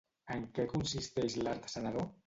En què consisteix l'art sanador?